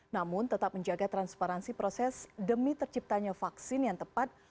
namun tetap menjaga transparansi proses demi terciptanya vaksin yang tepat